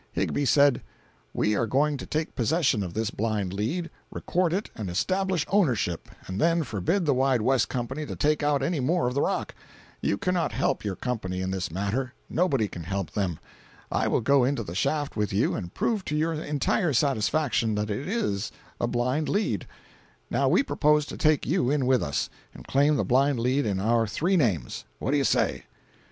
Higbie said: "We are going to take possession of this blind lead, record it and establish ownership, and then forbid the Wide West company to take out any more of the rock. You cannot help your company in this matter—nobody can help them. I will go into the shaft with you and prove to your entire satisfaction that it is a blind lead. Now we propose to take you in with us, and claim the blind lead in our three names. What do you say?"